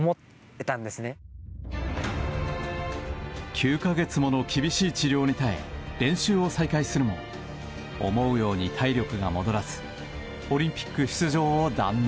９か月もの厳しい治療に耐え練習を再開するも思うように体力が戻らずオリンピック出場を断念。